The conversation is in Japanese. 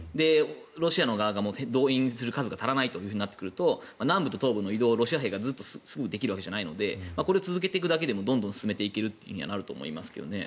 ロシア側が動員する人数が足りないとなると南部と東部の移動をロシア兵がすぐできるわけではないのでこれを続けていくだけでもどんどん進めていけるとはなると思いますけどね。